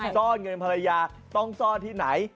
ซ่อนเงินภรรยาต้องซ่อนที่ไหน